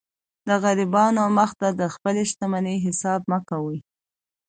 د غریبانو و مخ ته د خپلي شتمنۍ حساب مه کوئ!